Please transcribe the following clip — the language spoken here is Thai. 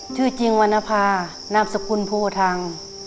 ชื่อจริงวรรณภานามสกุลโพทัง